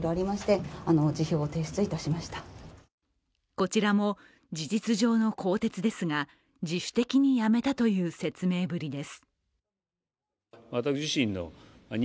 こちらも、事実上の更迭ですが自主的に辞めたという説明ぶりです。